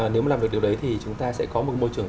nếu mà làm được điều đấy thì chúng ta sẽ có một môi trường